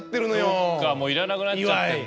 そっかもういらなくなっちゃってんだ。